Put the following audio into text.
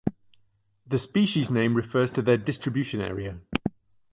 The species name refers to their distribution area.